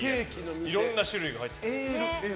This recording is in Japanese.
いろんな種類のが入ってた。